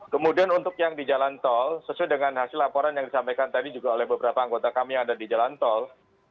kemudian untuk yang di jalan tol sesuai dengan hasil laporan yang disampaikan tadi juga oleh beberapa anggota kami yang ada di jalan tol